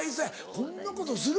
こんなことする？